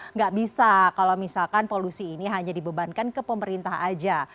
nggak bisa kalau misalkan polusi ini hanya dibebankan ke pemerintah aja